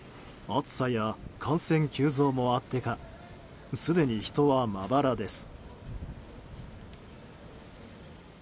暑さや感染急増もあってかすでに人はまばらです。